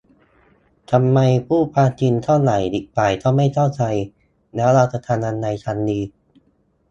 ทำไมพูดความจริงเท่าไรอีกฝ่ายก็ไม่เข้าใจ แล้วเราจะทำยังไงกันดี ?